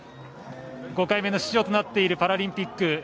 ５回目の出場となっているパラリンピック